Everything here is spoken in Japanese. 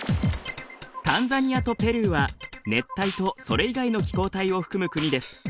タンザニアとペルーは熱帯とそれ以外の気候帯を含む国です。